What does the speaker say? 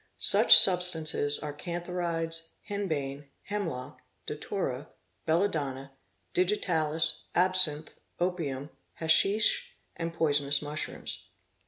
Such substances are cantharides, henbane "®), hemlock, datura, belladonna, digitalis, absinthe, opium, haschish, and poisonous mushrooms.